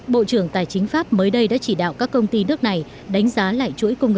bộ trưởng tài chính pháp mới đây đã chỉ đạo các công ty nước này đánh giá lại chuỗi cung ứng